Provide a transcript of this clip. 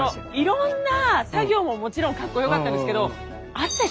いろんな作業ももちろんかっこよかったんですけど。